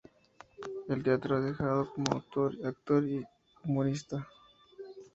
En teatro ha trabajado como autor, actor y humorista.